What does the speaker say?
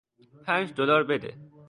پنج دلار بده.